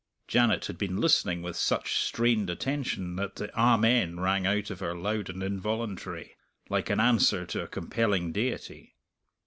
'_" Janet had been listening with such strained attention that the "Amen" rang out of her loud and involuntary, like an answer to a compelling Deity.